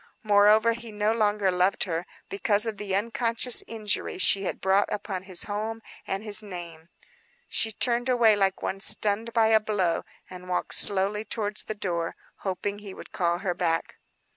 Moreover he no longer loved her, because of the unconscious injury she had brought upon his home and his name. She turned away like one stunned by a blow, and walked slowly towards the door, hoping he would call her back.